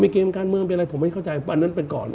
เกมการเมืองเป็นอะไรผมไม่เข้าใจอันนั้นไปก่อน